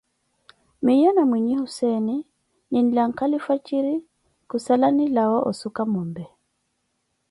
Miyo na nyi Husseene, ninlakaga lifwajiri, ku sala ni lawa oshuka mombe.